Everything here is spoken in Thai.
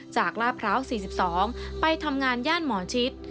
ลาดพร้าว๔๒ไปทำงานย่านหมอชิด